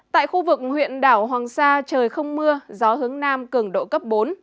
tại khu vực huyện đảo hoàng sa trời không mưa gió hướng nam cường độ cấp bốn